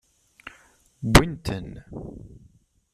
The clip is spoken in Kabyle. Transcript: Wwin-ten.